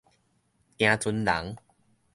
行船人